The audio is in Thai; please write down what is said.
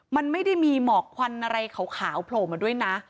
มันไม่ได้มีหมอกควันอะไรขาวโผล่มาด้วยนะ